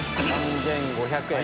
３５００円。